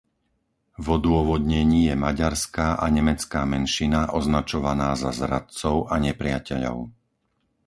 V odôvodnení je maďarská a nemecká menšina označovaná za zradcov a nepriateľov.